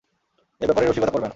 এ ব্যাপারে রসিকতা করবে না।